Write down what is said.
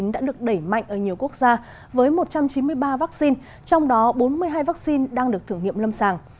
đã được đẩy mạnh ở nhiều quốc gia với một trăm chín mươi ba vaccine trong đó bốn mươi hai vaccine đang được thử nghiệm lâm sàng